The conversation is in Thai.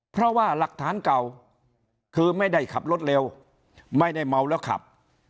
เพราะว่าหลักฐานเก่าคือไม่ได้ขับรถเร็วไม่ได้เมาแล้วขับ